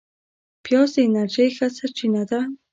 پیاز د انرژۍ ښه سرچینه ده